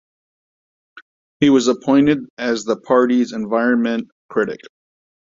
He was appointed as the party's environment critic.